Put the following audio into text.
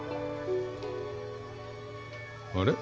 あれ？